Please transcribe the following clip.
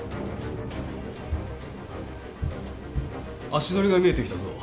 ・足取りが見えてきたぞ。